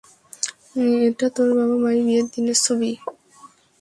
এটা তোর বাবা-মায়ের বিয়ের দিনের ছবি।